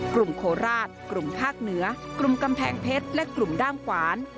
โคราชกลุ่มภาคเหนือกลุ่มกำแพงเพชรและกลุ่มด้ามขวาน